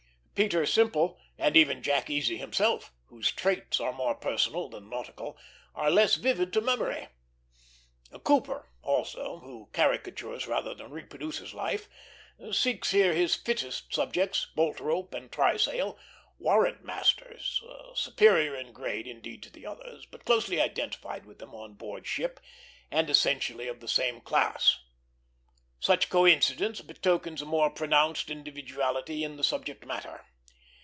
Peter Simple, and even Jack Easy himself, whose traits are more personal than nautical, are less vivid to memory. Cooper also, who caricatures rather than reproduces life, seeks here his fittest subjects Boltrope and Trysail warrant masters, superior in grade indeed to the others, but closely identified with them on board ship, and essentially of the same class. Such coincidence betokens a more pronounced individuality in the subject matter.